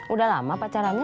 udah lama pacarannya